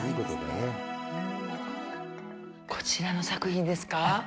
こちらの作品ですか？